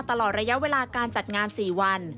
ตลอดระยะเวลาการจัดงาน๔วัน